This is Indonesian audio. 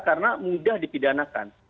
karena mudah dipidanakan